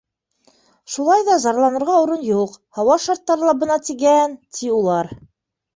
Шулай ҙа зарланырға урын юҡ, һауа шарттары ла бына тигән, ти улар.